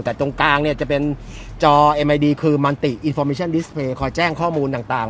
แต่ตรงกลางเนี้ยจะเป็นจอคือคอยแจ้งข้อมูลต่างต่าง